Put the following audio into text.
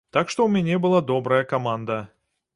Так што ў мяне была добрая каманда.